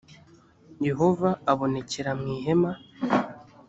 yehova abonekera mu ihema